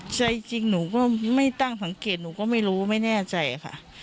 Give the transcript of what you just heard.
ใจจริงหนูก็ไม่ตั้งสังเกตหนูก็ไม่รู้ไม่แน่ใจค่ะ